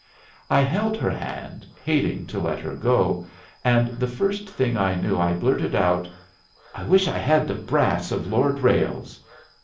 I held her hand, hating to let her go, and the first thing I knew, I blurted out, "I wish I had the brass of Lord Ralles!"